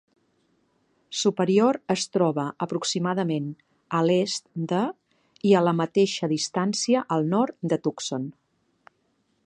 Superior es troba aproximadament a l'est de i a la mateixa distància al nord de Tucson.